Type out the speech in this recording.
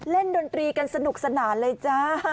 ดนตรีกันสนุกสนานเลยจ้า